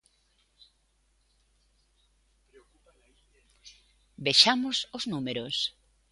Vexamos os números.